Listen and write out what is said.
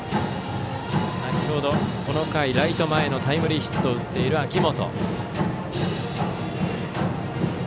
先程この回、ライト前へのタイムリーヒットを打った秋元。